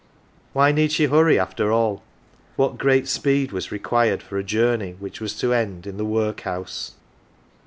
Why need she hurry, after all ? What great speed was required for a journey which was to end in the workhouse.